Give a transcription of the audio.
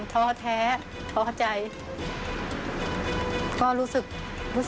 สวัสดีครับ